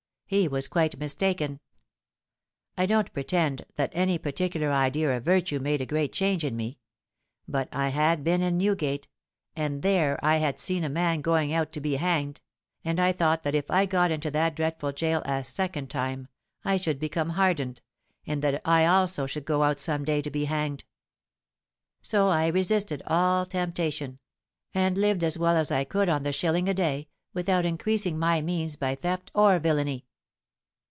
He was quite mistaken. I don't pretend that any particular idea of virtue made a great change in me; but I had been in Newgate—and there I had seen a man going out to be hanged; and I thought that if I got into that dreadful gaol a second time, I should become hardened, and that I also should go out some day to be hanged! So I resisted all temptation—and lived as well as I could on the shilling a day, without increasing my means by theft or villany.